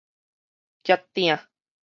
夾鼎